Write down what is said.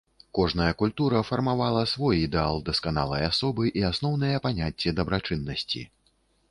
Кожная культура фармавала свой ідэал дасканалай асобы і асноўныя паняцці дабрачыннасці.